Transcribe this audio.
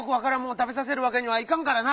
たべさせるわけにはいかんからな。